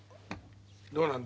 どうなんだ？